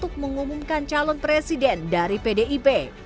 untuk mengumumkan calon presiden dari pdip